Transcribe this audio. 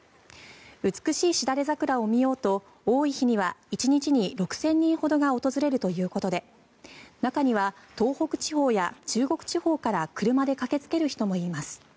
美しいシダレザクラを見ようと多い日には１日に６０００人ほどが訪れるということで中には東北地方や中国地方から車で駆けつける人もいます。